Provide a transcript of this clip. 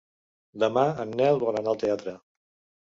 Demà en Nel vol anar al teatre.